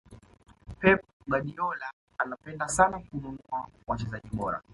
pep guardiola anapenda sana kununua wachezaji bora